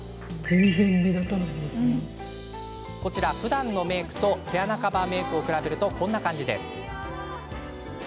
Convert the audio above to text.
こちら、ふだんのメークと毛穴カバーメークを比べるとこんな感じ。